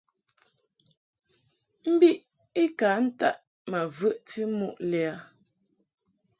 Mbiʼ i ka ntaʼ ma vəʼti muʼ lɛ a.